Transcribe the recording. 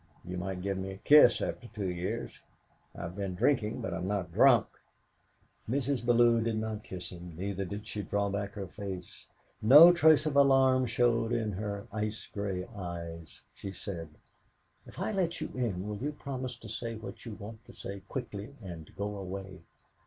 You might give me a kiss after two years. I've been drinking, but I'm not drunk." Mrs. Bellew did not kiss him, neither did she draw back her face. No trace of alarm showed in her ice grey eyes. She said: "If I let you in, will you promise to say what you want to say quickly, and go away?"